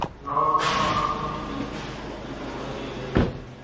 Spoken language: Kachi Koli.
نورتان مان ڪونئين ٻي ڌُوپ ۮيوو ڪري ۿڳي سي